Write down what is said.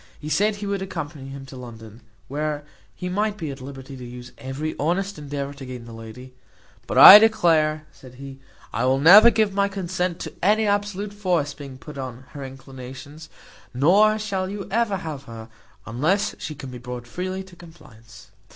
He said he would accompany him to London, where he might be at liberty to use every honest endeavour to gain the lady: "But I declare," said he, "I will never give my consent to any absolute force being put on her inclinations, nor shall you ever have her, unless she can be brought freely to compliance."